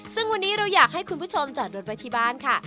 ซึ่งวันนี้เราอยากให้คุณผู้ชมจอดรถไว้ที่บ้านค่ะ